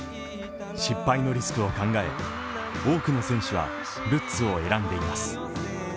失敗のリスクを考え、多くの選手はルッツを選んでいます。